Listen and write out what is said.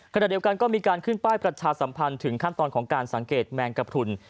ขณะเดียวกันก็มีการขึ้นป้ายประชาสัมพันธ์ถึงขั้นตอนของการสังเกตแมงกระพรุน